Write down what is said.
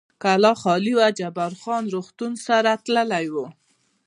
کلا خالي وه، جبار خان د روغتون سره تللی و.